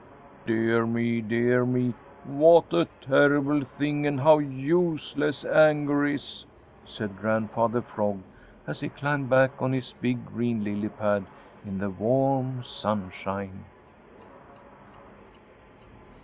"Dear me! Dear me! What a terrible thing and how useless anger is," said Grandfather Frog, as he climbed back on his big green lily pad in the warm sunshine.